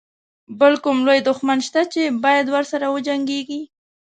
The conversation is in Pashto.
بل کوم لوی دښمن شته چې باید ورسره وجنګيږي.